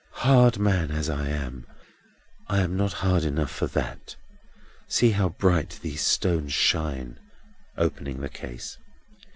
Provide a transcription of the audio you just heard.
Hard man as I am, I am not hard enough for that. See how bright these stones shine!" opening the case.